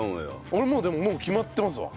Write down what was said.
俺でももう決まってますわ。